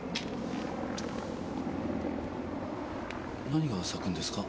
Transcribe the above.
何が咲くんですか？